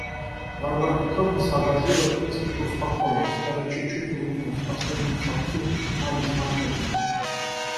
Варвара Петровна сообразила и несколько успокоилась; даже чуть-чуть улыбнулась последнему словцу Марьи Тимофеевны.